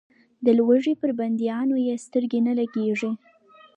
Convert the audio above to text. د لوږې پر بندیانو یې سترګې نه لګېږي.